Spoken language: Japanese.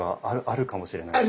あるかもしれない。